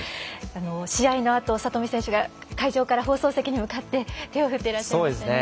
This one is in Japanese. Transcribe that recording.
試合のあと里見選手が会場から放送席に向かって手を振っていらっしゃいましたよね。